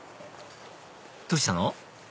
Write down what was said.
どうしたの？